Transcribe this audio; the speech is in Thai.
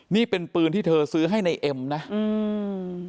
นี่เป็นปืนที่เธอซื้อให้ในเอ็มนะอืม